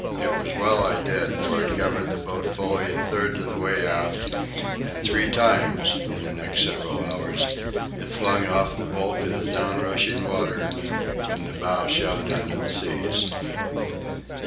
It was well I did, for it covered the boat fully a third of the way aft, and three times, in the next several hours, it flung off the bulk of the down rushing water when the bow shoved under the seas.